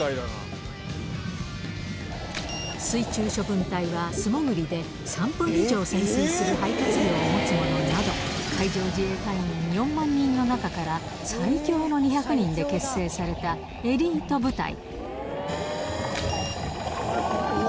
水中処分隊は素潜りで３分以上潜水する肺活量を持つ者など、海上自衛隊員４万人の中から、最強の２００人で結成されたエリート部隊。